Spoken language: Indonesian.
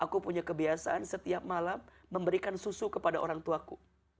aku punya kebiasaan setiap malam memberikan susu kepada orang tuaku